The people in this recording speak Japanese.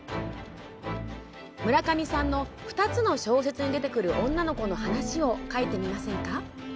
「村上さんの２つの小説に出てくる女の子の話を書いてみませんか」。